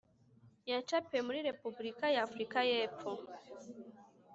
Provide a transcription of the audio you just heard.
Yacapiwe muri Repubulika ya Afurika y Epfo